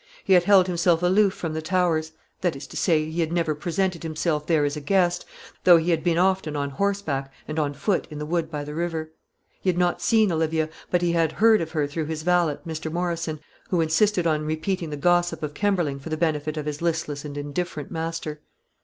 He had held himself aloof from the Towers, that is to say, he had never presented himself there as a guest, though he had been often on horseback and on foot in the wood by the river. He had not seen Olivia, but he had heard of her through his valet, Mr. Morrison, who insisted on repeating the gossip of Kemberling for the benefit of his listless and indifferent master.